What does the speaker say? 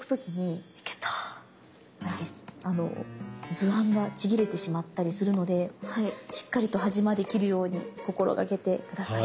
図案がちぎれてしまったりするのでしっかりと端まで切るように心掛けて下さい。